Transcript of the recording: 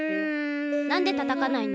なんでたたかないの？